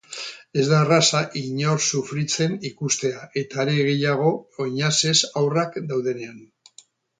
Ez da erraza inor sufritzen ikustea eta are gehiago oinazez haurrak daudenean.